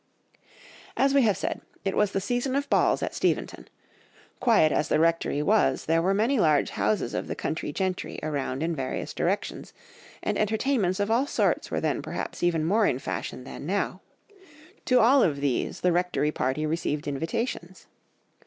As we have said, it was the season of balls at Steventon; quiet as the rectory was there were many large houses of the country gentry around in various directions, and entertainments of all sorts were then perhaps even more in fashion than now; to all of these the rectory party received invitations.